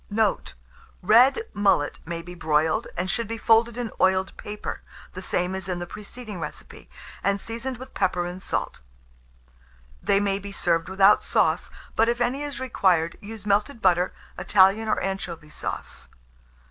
Note. Red mullet may be broiled, and should be folded in oiled paper, the same as in the preceding recipe, and seasoned with pepper and salt. They may be served without sauce; but if any is required, use melted butter, Italian or anchovy sauce.